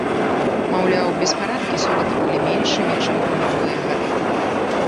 Маўляў, беспарадкі сёлета былі меншымі, чым у мінулыя гады.